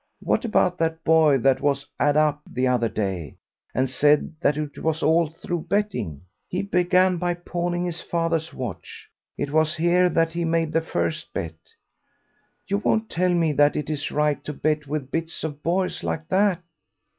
What about that boy that was 'ad up the other day, and said that it was all through betting? He began by pawning his father's watch. It was here that he made the first bet. You won't tell me that it is right to bet with bits of boys like that."